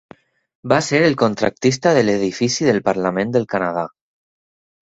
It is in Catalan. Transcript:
Va ser el contractista de l'edifici del Parlament del Canadà.